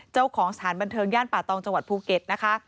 เจ้าของสถานบันเทิงย่านป่าตองจังหวัดภูเก็ตนะคะ